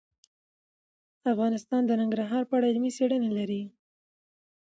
افغانستان د ننګرهار په اړه علمي څېړنې لري.